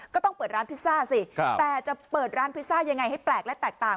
ก็ต้องเปิดร้านพิซซ่าสิแต่จะเปิดร้านพิซซ่ายังไงให้แปลกและแตกต่าง